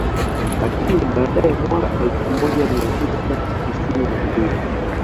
Lakini baadae mwaka elfu moja mia tisa tisini na mbili